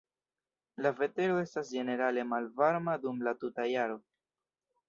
La vetero estas ĝenerale malvarma dum la tuta jaro.